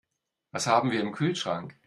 Was haben wir im Kühlschrank?